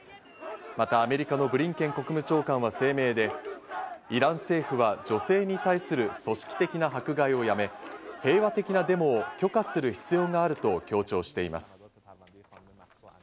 またアメリカのブリンケン国務長官は声明で、イラン政府は女性に対する組織的な迫害をやめ、平和的なデモを許可する必要があると強調しています。